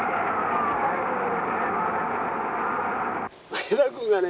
前田君がね